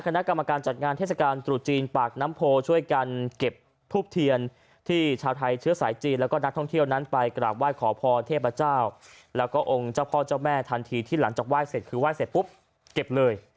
คณะกรรมการจัดงานเทศกาลตรุษจีนปากน้ำโพช่วยกันเก็บทูบเทียนที่ชาวไทยเชื้อสายจีนแล้วก็นักท่องเที่ยวนั้นไปกราบไหว้ขอพรเทพเจ้าแล้วก็องค์เจ้าพ่อเจ้าแม่ทันทีที่หลังจากไหว้เสร็จคือไหว้เสร็จปุ๊บเก็บเลย